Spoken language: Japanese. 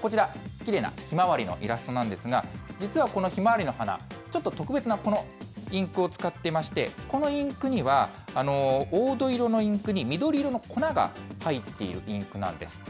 こちら、きれいなヒマワリのイラストなんですが、実はこのヒマワリの花、ちょっと特別なインクを使っていまして、このインクには、黄土色のインクに緑色の粉が入っているインクなんです。